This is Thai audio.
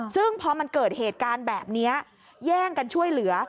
ซึ่งพอมันเกิดเหตุการณ์แบบนี้แย่งกันช่วยเหลือ